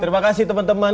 terima kasih teman teman